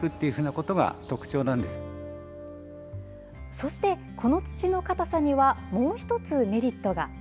そして、この土の硬さにはもう１つメリットが。